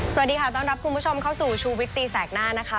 สวัสดีค่ะต้อนรับคุณผู้ชมเข้าสู่ชูวิตตีแสกหน้านะคะ